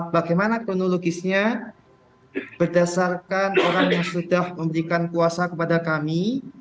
bagaimana kronologisnya berdasarkan orang yang sudah memberikan kuasa kepada kami